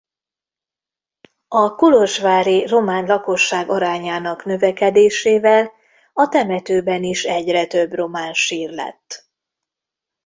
A kolozsvári román lakosság arányának növekedésével a temetőben is egyre több román sír lett.